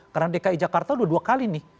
karena dki jakarta dua dua kali nih